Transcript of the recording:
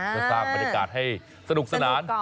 ตั้งสร้างบริการให้สนุกสนาน